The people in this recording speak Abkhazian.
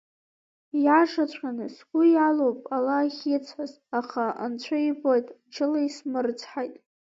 Ииашаҵәҟьаны, сгәы иалоуп ала ахьицҳаз, аха, Анцәа ибоит, мчыла исмырцҳаит.